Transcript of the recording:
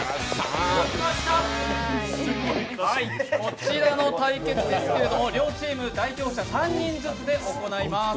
こちらの対決ですけれども両チーム代表者３人ずつで行います。